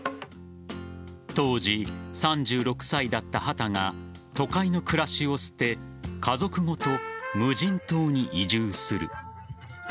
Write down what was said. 当時、３６歳だった畑が都会の暮らしを捨て家族ごと無人島に移住する。